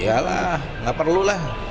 oh iyalah tidak perlu lah